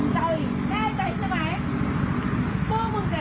เจอแล้วใช่ไหมโอเค